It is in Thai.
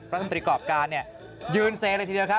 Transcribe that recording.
รัฐมนตรีกรอบการยืนเซเลยทีเดียวครับ